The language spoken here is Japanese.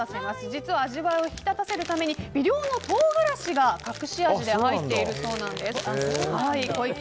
実は味わいを引き立たせるために微量の唐辛子が隠し味で入っているそうなんです。